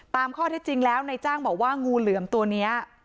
ตามข้อเท็จจริงแล้วในจ้างบอกว่างูเหลือมตัวนี้